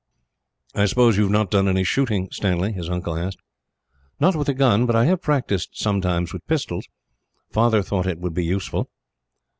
"I suppose you have not done any shooting, Stanley?" his uncle asked. "Not with a gun, but I have practised sometimes with pistols. Father thought that it would be useful."